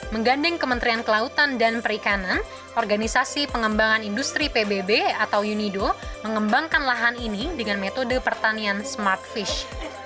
menggandeng kementerian kelautan dan perikanan organisasi pengembangan industri pbb atau unido mengembangkan lahan ini dengan metode pertanian smart fish